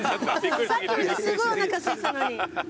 さっきまですごいおなかすいてたのに。